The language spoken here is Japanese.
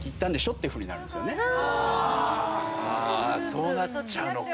そうなっちゃうのか。